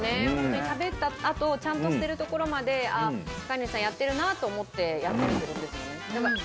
食べたあとちゃんと捨てるところまで飼い主さんやってるなと思ってやってるってことですもんね